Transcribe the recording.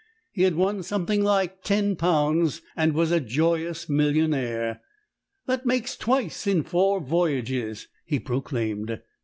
He had won something like ten pounds and was a joyous millionaire. "That makes twice in four voyages," he proclaimed.